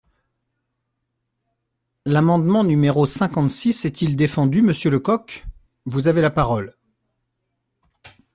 L’amendement numéro cinquante-six est-il défendu, monsieur Lecoq ? Vous avez la parole.